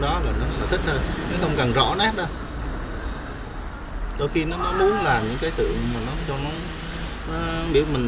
đó là nó thích hơn nó không cần rõ nét đâu đôi khi nó muốn làm những cái tượng mà nó cho nó biết mình